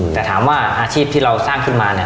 แต่ถามว่าอาชีพที่เราสร้างขึ้นมาเนี่ย